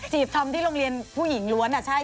จีบทอมที่โรงเรียนผู้หญิงล้วนอ่ะใช่